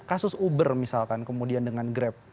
kasus uber misalkan kemudian dengan grab